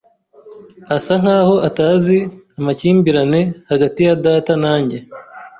Asa nkaho atazi amakimbirane hagati ya data na njye.